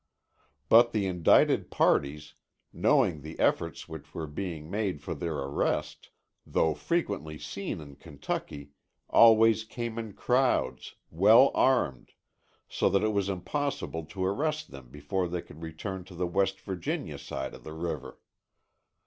But the indicted parties, knowing the efforts which were being made for their arrest, though frequently seen in Kentucky, always came in crowds, well armed, so that it was impossible to arrest them before they could return to the West Virginia side of the river.